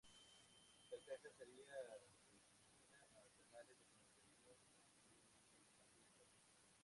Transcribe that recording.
Tal caja estaría restringida a canales de comunicación minimalistas.